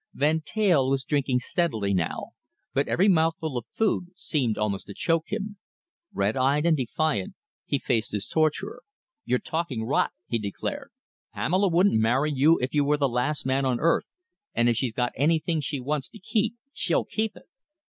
Van Teyl was drinking steadily now, but every mouthful of food seemed almost to choke him. Red eyed and defiant, he faced his torturer. "You're talking rot!" he declared. "Pamela wouldn't marry you if you were the last man on earth, and if she's got anything she wants to keep, she'll keep it."